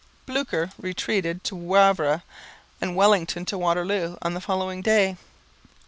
Blücher retreated to Wavre and Wellington to Waterloo on the following day.